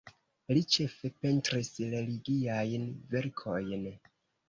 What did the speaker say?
Li ĉefe pentris religiajn verkojn.